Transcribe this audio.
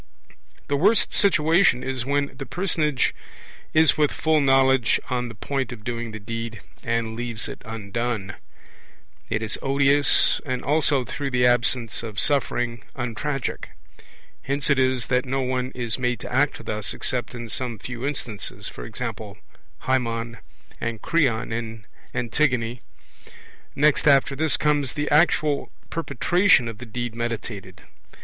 The worst situation is when the personage is with full knowledge on the point of doing the deed, and leaves it undone. It is odious and also (through the absence of suffering) untragic; hence it is that no one is made to act thus except in some few instances, e.g. Haemon and Creon in Antigone. Next after this comes the actual perpetration of the deed meditated.